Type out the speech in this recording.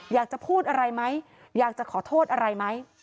อยากจะพูดอะไรไหมอยากจะขอโทษอะไรไหม